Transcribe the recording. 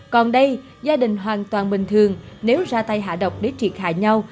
còn đây gia đình hoàn toàn bình thường nếu ra tay hạ độc để triệt hạ nhau